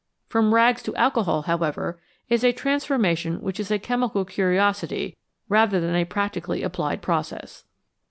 From rags to alcohol, however, is a transformation which is a chemical curiosity rather than a practically applied process.